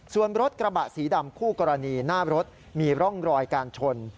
ส่วนรถกระบะสีดำคู่กรณีหน้ารถมีร่องรอยการชน